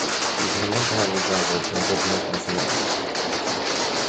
Bydd hyn yn cael ei drafod yn ddyfnach nes ymlaen.